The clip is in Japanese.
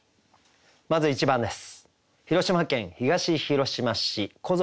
まず１番です。